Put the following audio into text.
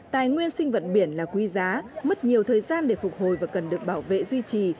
tài nguyên sinh vật biển là quý giá mất nhiều thời gian để phục hồi và cần được bảo vệ duy trì